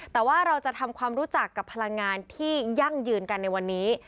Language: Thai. แต่ว่าเราจะทำความรู้จักกับพลังงานที่ยั่งยืนกันในวันนี้